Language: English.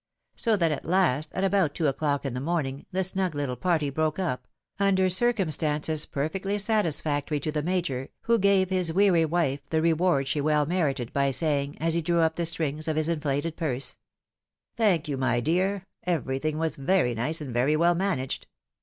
So that at last, at about two o'clock in the morning, the snug little party broke up, under circumstances perfectly satisfactory to the Major, who gave his weary wife the reward she well merited, by saying, as he drew up the strings of his inflated purse —" Thank you, my dear — everything was very nice, and very well managed.